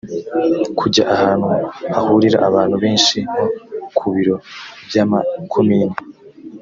kujya ahantu hahurira abantu benshi nko ku biro by’amakomini